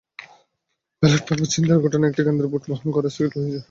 Ballot paper ছিনতাইয়ের ঘটনায় একটি কেন্দ্রের ভোট গ্রহণ স্থগিত করা হয়েছে।